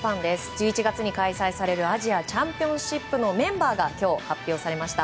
１１月に開催されるアジアチャンピオンシップのメンバーが今日、発表されました。